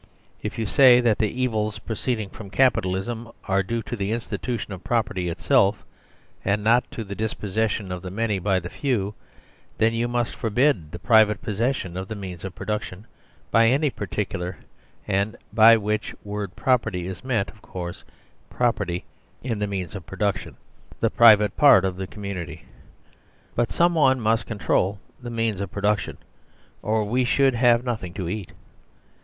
If you say that the evils proceeding from Capitalism are due to the institution of property itself, and not to the dispossession of the many by the few, then you must forbid the private possession of the means of production by any particular and * By which word "property " is meant, of course, property in the means of Production. 99 THE SERVILE STATE private part of the community : but someone must control the means of production, or we should have nothing to eat.